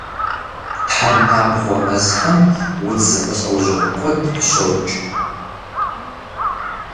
Тхьэмпабгъуэ мэзхэм удз зэмылӀэужьыгъуэ куэд къыщокӀ.